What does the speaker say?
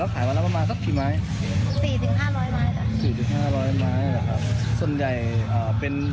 ของหมูขอไม่ละ๕บาท